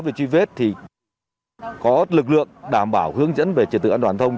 về truy vết thì có lực lượng đảm bảo hướng dẫn về trật tự an toàn thông